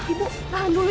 ibu tahan dulu ya bu ya